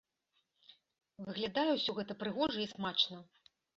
Выглядае ўсё гэта прыгожа і смачна.